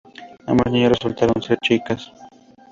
Ambos niños resultaron ser chicas.